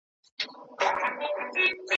كومه چېغه به كي سره ساړه رګونه